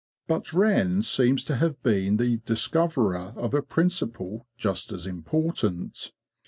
But Wren seems to have been the discoverer of a principle just as important.